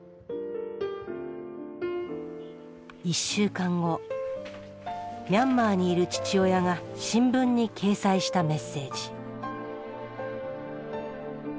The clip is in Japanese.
１週間後ミャンマーにいる父親が新聞に掲載したメッセージ。